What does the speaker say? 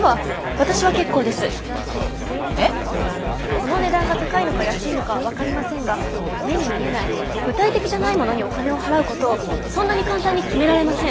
この値段が高いのか安いのかは分かりませんが目に見えない具体的じゃないものにお金を払うことをそんなに簡単に決められません。